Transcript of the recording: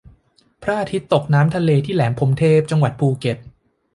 พระอาทิตย์ตกน้ำทะเลที่แหลมพรหมเทพ จังหวัดภูเก็ต